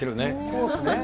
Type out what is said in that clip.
そうですね。